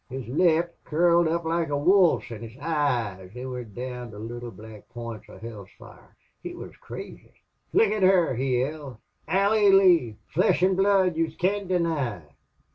His lip curled up loike a wolf's, an' his eyes they wint down to little black points of hell's fire. He wuz crazy. "'Look at her!' he yelled. 'Allie Lee! Flesh an' blood yez can't deny!